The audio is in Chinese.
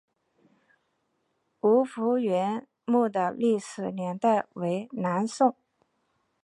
吴福源墓的历史年代为南宋。